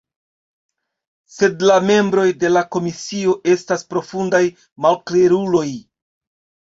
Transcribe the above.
Sed la membroj de la komisio estas profundaj malkleruloj.